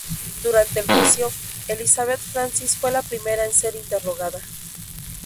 Durante el juicio, Elizabeth Francis fue la primera en ser interrogada.